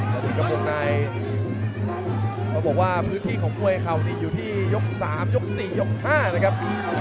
สวัสดีครับวงในเขาบอกว่าพื้นที่ของมวยเข่านี่อยู่ที่ยก๓ยก๔ยก๕นะครับ